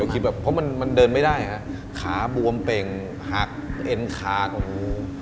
เราคิดแบบเพราะมันเดินไม่ได้ฮะขาบวมเป็งหักเอ็นขาตรงนู้น